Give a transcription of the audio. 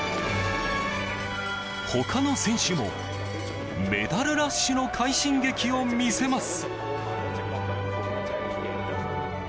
他の選手も、メダルラッシュの快進撃を見せます。